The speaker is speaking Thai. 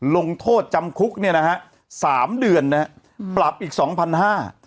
ลงโทษจำคุก๓เดือนปรับอีก๒๕๐๐บาท